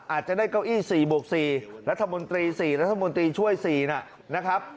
อาจจะได้เก้าอี้๔บวก๔รัฐมนตรี๔รัฐมนตรีช่วย๔นะครับ